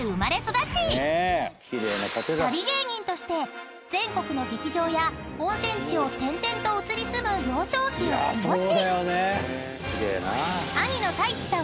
［旅芸人として全国の劇場や温泉地を転々と移り住む幼少期を過ごし］